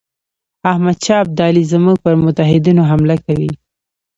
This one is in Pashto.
احمدشاه ابدالي زموږ پر متحدینو حمله کوي.